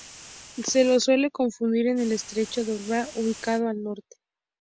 Se lo suele confundir con el estrecho Douglas, ubicado al norte.